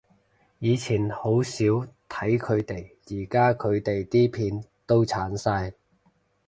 以前好少睇佢哋，而家佢哋啲片都剷晒？